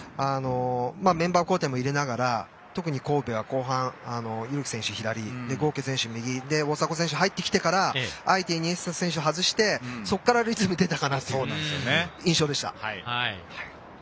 メンバー交代も入れながら特に神戸は後半、汰木選手が左郷家選手が右大迫選手が入ってきてからあえてイニエスタを外してリズムが出たかなという印象でした。